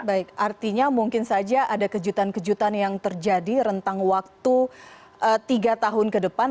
baik artinya mungkin saja ada kejutan kejutan yang terjadi rentang waktu tiga tahun ke depan